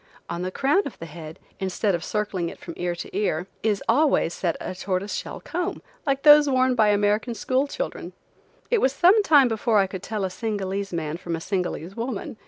On the crown of the head, instead of circling it from ear to ear, is always set a tortoise shell comb, like those worn by American school children. It was some time before I could tell a Singalese man from a Singalese woman.